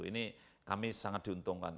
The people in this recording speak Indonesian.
ini kami sangat diuntungkan